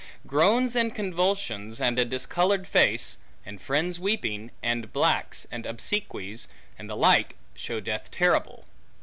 Groans, and convulsions, and a discolored face, and friends weeping, and blacks, and obsequies, and the like, show death terrible.